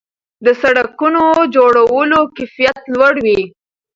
د سړکونو جوړولو کیفیت لوړ وي.